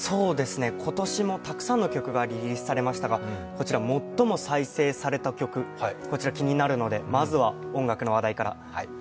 今年もたくさんの曲がリリースされましたがこちら、最も再生された曲、気になるのでまずは音楽の話題から。